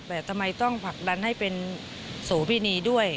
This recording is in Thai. แต่ทำไมต้องผลักดันให้เป็นโสพินีด้วย